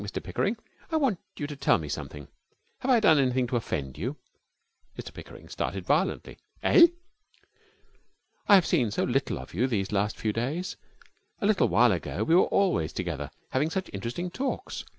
Mr Pickering, I want you to tell me something. Have I done anything to offend you?' Mr Pickering started violently. 'Eh?' 'I have seen so little of you these last few days. A little while ago we were always together, having such interesting talks.